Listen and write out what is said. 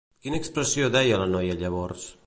Quina expressió deia la noia llavors?